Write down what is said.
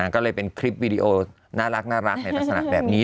ก็เลยเป็นคลิปวีดีโอน่ารักในลักษณะแบบนี้